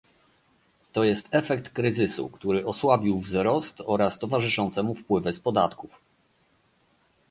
To jest efekt kryzysu, który osłabił wzrost oraz towarzyszące mu wpływy z podatków